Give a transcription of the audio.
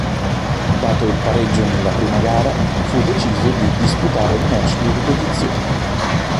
Dato il pareggio nella prima gara fu deciso di disputare il match di ripetizione.